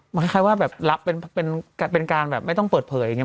มันคล้ายว่าแบบรับเป็นการแบบไม่ต้องเปิดเผยอย่างนี้